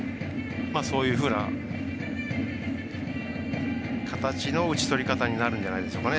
そういうふうな形の打ち取り方になるんじゃないでしょうか。